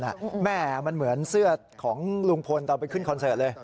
แม่มันเหมือนเสื้อของลุงพลตอนไปขึ้นคอนเสิร์ตเลย